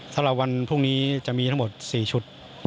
สำหรับวันพรุ่งนี้จะมีทั้งหมด๔ชุด